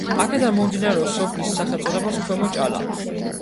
აქედან მომდინარეობს სოფლის სახელწოდებაც ქვემო ჭალა.